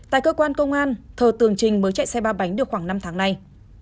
tại cơ quan công an thờ tường trình mới chạy xe ba bánh được khoảng năm tháng nay